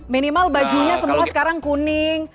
minimal bajunya semua sekarang kuning